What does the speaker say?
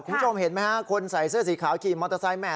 คุณผู้ชมเห็นไหมฮะคนใส่เสื้อสีขาวขี่มอเตอร์ไซค์แม่